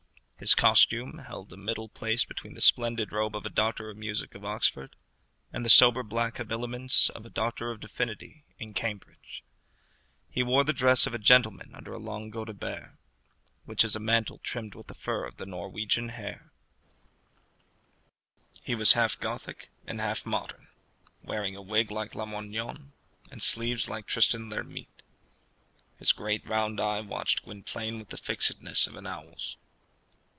His costume held a middle place between the splendid robe of a doctor of music of Oxford and the sober black habiliments of a doctor of divinity of Cambridge. He wore the dress of a gentleman under a long godebert, which is a mantle trimmed with the fur of the Norwegian hare. He was half Gothic and half modern, wearing a wig like Lamoignon, and sleeves like Tristan l'Hermite. His great round eye watched Gwynplaine with the fixedness of an owl's.